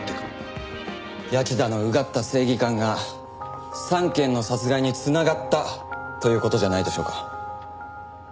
谷内田のうがった正義感が３件の殺害に繋がったという事じゃないでしょうか？